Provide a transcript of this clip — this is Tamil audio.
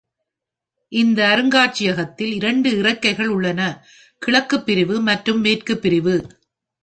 இந்த அருங்காட்சியகத்தில் இரண்டு இறக்கைகள் உள்ளன: கிழக்கு பிரிவு மற்றும் மேற்கு பிரிவு.